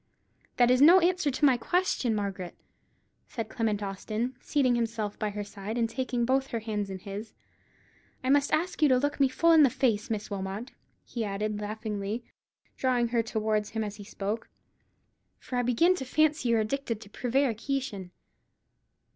"That is no answer to my question, Margaret," said Clement Austin, seating himself by her side, and taking both her hands in his. "I must ask you to look me full in the face, Miss Wilmot," he added, laughingly, drawing her towards him as he spoke; "for I begin to fancy you're addicted to prevarication.